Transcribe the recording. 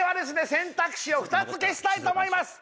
選択肢を２つ消したいと思います